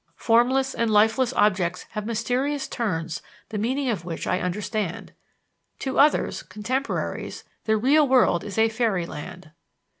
Formless and lifeless objects have mysterious turns the meaning of which I understand." To others, contemporaries, "the real world is a fairy land."